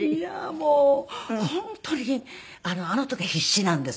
もう本当にあの時は必死なんですよ。